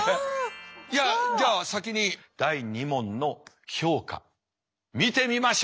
じゃあ先に第２問の評価見てみましょう。